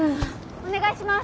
お願いします。